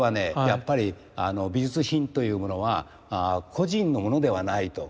やっぱり美術品というものは個人のものではないと。